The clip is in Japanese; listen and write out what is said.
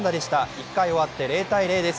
１回終わって０−０です。